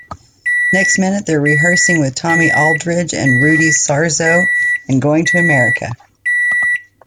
Next minute, they're rehearsing with Tommy Aldridge and Rudy Sarzo, and going to America.